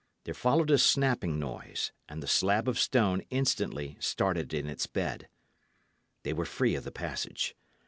There followed a snapping noise, and the slab of stone instantly started in its bed. They were free of the passage.